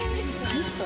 ミスト？